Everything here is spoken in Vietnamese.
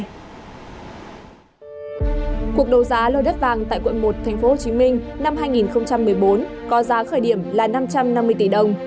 cuộc đấu giá lô đất vàng tại quận một tp hcm năm hai nghìn một mươi bốn có giá khởi điểm là năm trăm năm mươi tỷ đồng